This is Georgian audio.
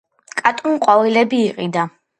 კატომ ყვავილები იყიდა